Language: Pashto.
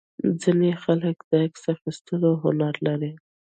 ځینې خلک د عکس اخیستلو هنر لري.